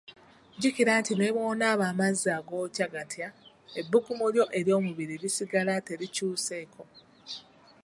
Jjukira nti ne bw’onaaba amazzi agookya gatya, ebbugumu lyo ery’omubiri lisigala terikyuseeko.